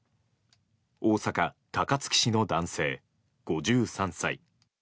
大阪・高槻市の男性、５３歳。